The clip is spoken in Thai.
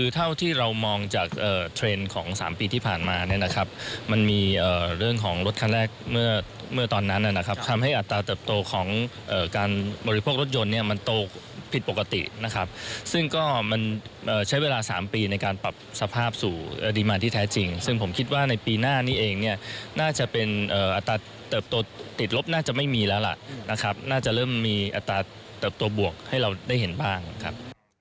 น่าจะเริ่มมีอัตราตัวบวกให้เราได้เห็นบ้างครับ